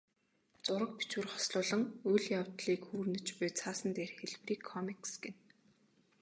Зураг, бичвэр хослуулан үйл явдлыг хүүрнэж буй цаасан дээрх хэлбэрийг комикс гэнэ.